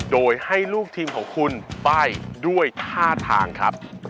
โดยให้ลูกทีมของคุณใบ้ด้วยท่าทางครับ